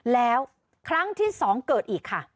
แล้วครั้งที่สองเกิดอีก